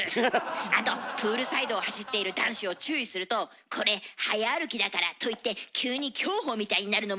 あとプールサイドを走っている男子を注意すると「これ早歩きだから」と言って急に競歩みたいになるのも大嫌いです。